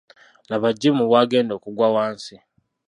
Laba Jim bw'agenda okugwa wansi.